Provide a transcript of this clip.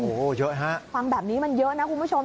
โอ้โหเยอะฮะฟังแบบนี้มันเยอะนะคุณผู้ชม